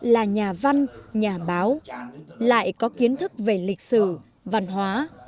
là nhà văn nhà báo lại có kiến thức về lịch sử văn hóa